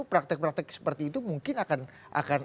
praktek praktek seperti itu mungkin akan